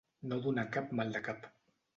No donar cap maldecap.